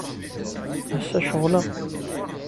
Ass-a, ceɣleɣ.